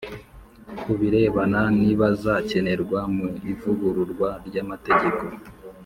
ku birebana n'ibazakenerwa mu ivugururwa ry'amategeko.